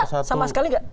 enggak sama sekali enggak